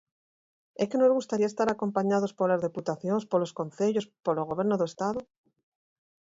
¿E que nos gustaría estar acompañados polas deputacións, polos concellos, polo Goberno do Estado?